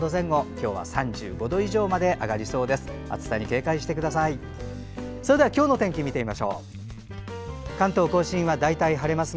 今日は３５度以上まで上がりそうです。